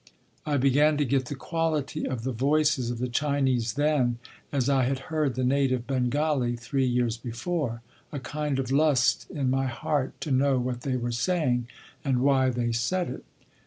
I began to get the quality of the voices of the Chinese then, as I had heard the native Bengali three years before—a kind of lust in my heart to know what they were saying, and why they said it.